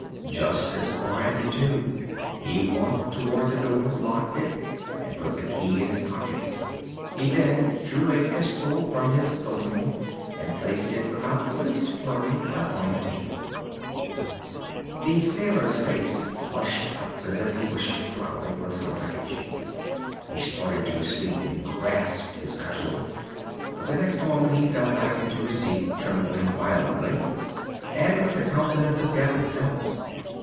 Just as quietly, too, he walked toward the door, locked it and put the key in his pocket. He then drew a pistol from his bosom and placed it, without the least flurry, upon the table. The sailor's face flushed up as if he were struggling with suffocation. He started to his feet and grasped his cudgel, but the next moment he fell back into his seat, trembling violently, and with the countenance of death itself.